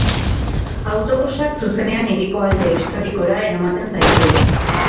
Autobusak zuzenean hiriko alde historikora eramaten zaitu.